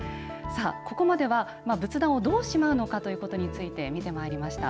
ここまでは、仏壇をどうしまうのかということについて、見てまいりました。